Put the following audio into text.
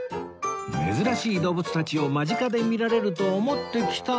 珍しい動物たちを間近で見られると思って来たのに